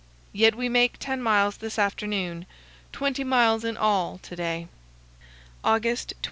Yet we make ten miles this afternoon; twenty miles in all to day. August 22.